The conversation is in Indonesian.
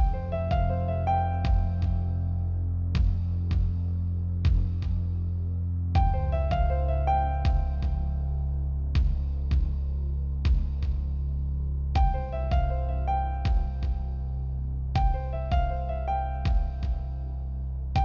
apakah dia masih hidup